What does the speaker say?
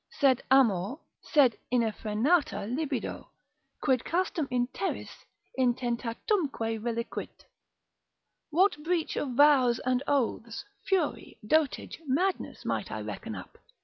—Sed amor, sed ineffrenata libido, Quid castum in terris intentatumque reliquit? What breach of vows and oaths, fury, dotage, madness, might I reckon up?